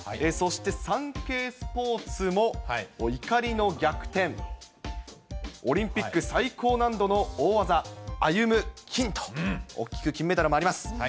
そしてサンケイスポーツも、怒りの逆転、オリンピック最高難度の大技、歩夢、金と、大きく金メダルもあります。